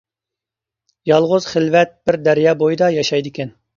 يالغۇز خىلۋەت بىر دەريا بويىدا ياشايدىكەن.